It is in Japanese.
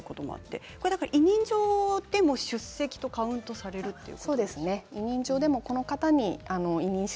委任状でも出席とカウントされるんですか？